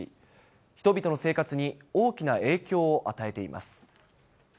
人々の生活に大きな影響を与えています。